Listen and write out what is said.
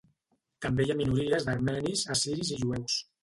També hi ha minories d'armenis, assiris i jueus.